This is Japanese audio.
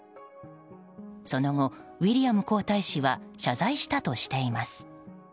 その後、ウィリアム皇太子は謝罪したとしています。